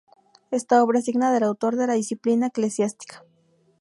Esta obra es digna del autor de la "Disciplina eclesiástica".